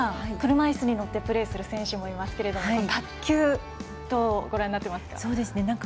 車いすに乗ってプレーする選手もいますけど卓球、どうご覧になってますか？